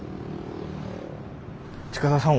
近田さん